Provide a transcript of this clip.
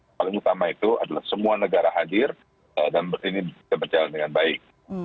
yang paling utama itu adalah semua negara hadir dan ini bisa berjalan dengan baik